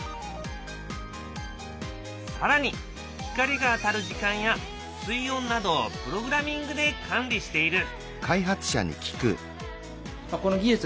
更に光が当たる時間や水温などをプログラミングで管理している。